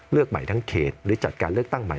เลือกใหม่ทั้งเขตหรือจัดการเลือกตั้งใหม่